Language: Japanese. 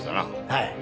はい。